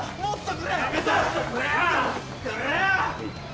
くれよ！